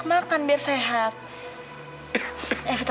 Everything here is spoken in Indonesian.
bisa allah ngantuk dari blossingnya bou ambar ya